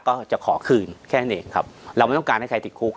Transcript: ก็จะขอคืนแค่นั้นเองครับเราไม่ต้องการให้ใครติดคุก